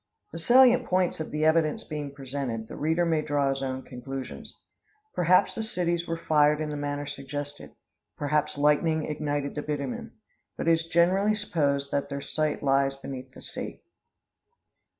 The salient points of the evidence being presented, the reader may draw his own conclusions. Perhaps the cities were fired in the manner suggested perhaps lightning ignited the bitumen. But it is generally supposed that their site lies beneath the sea.